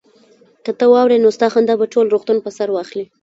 که ته واورې نو ستا خندا به ټول روغتون په سر واخلي